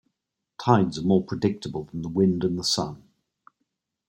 Tides are more predictable than the wind and the sun.